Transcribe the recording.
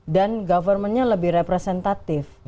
dan governmentnya lebih representatif